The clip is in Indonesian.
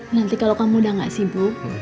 nanti kalau kamu udah gak sibuk